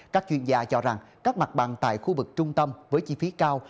các chuyên gia cho rằng các mặt bằng tại khu vực trung tâm với chi phí cao